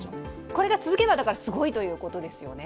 これが続けばすごいということですよね？